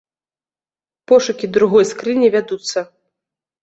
Пошукі другой скрыні вядуцца.